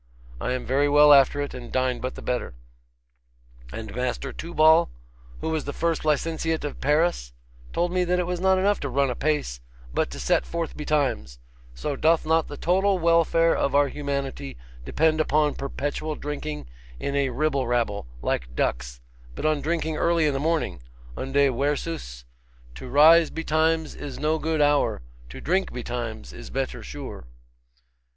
I am very well after it, and dine but the better. And Master Tubal, who was the first licenciate at Paris, told me that it was not enough to run apace, but to set forth betimes: so doth not the total welfare of our humanity depend upon perpetual drinking in a ribble rabble, like ducks, but on drinking early in the morning; unde versus, To rise betimes is no good hour, To drink betimes is better sure.